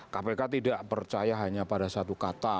kpk tidak percaya hanya pada satu kata